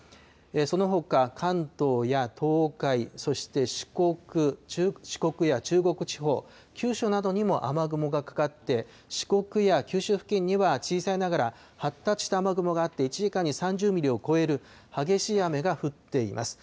そのほか、関東や東海、そして四国や中国地方、九州などにも、雨雲がかかって、四国や九州付近には小さいながら発達した雨雲があって、１時間に３０ミリを超える激しい雨が降っています。